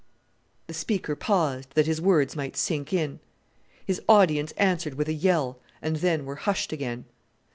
The speaker paused, that his words might sink in. His audience answered with a yell; and then were hushed again.